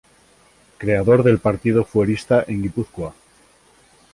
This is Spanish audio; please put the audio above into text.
Creador del partido fuerista en Guipúzcoa.